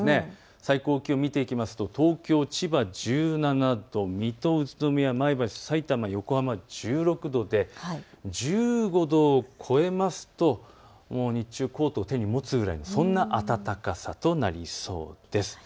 最高気温、見ていきますと東京、千葉１７度、水戸、宇都宮、前橋、さいたま１６度で１５度を超えますと日中、コートを手に持つくらい、そんな暖かさとなりそうです。